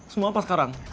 semua apa sekarang